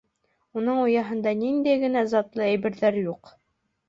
Уның ояһында ниндәй генә затлы әйберҙәр юҡ!